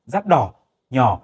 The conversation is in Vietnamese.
rát đỏ nhỏ